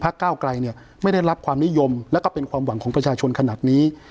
พระเก้าไกรไม่ได้รับความนิยมและเป็นความหวังของประชาชนขนาดนี้